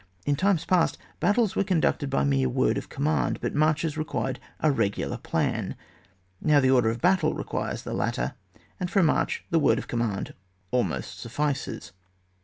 In times past, battles were conducted by mere word of command, but marches required a regular plan, now the order of battle requires the lat ter, and for a march the word of com mand almost suffices.